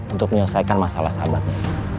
untuk menyelesaikan masalah sahabatnya